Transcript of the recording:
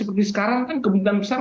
seperti sekarang kemungkinan besar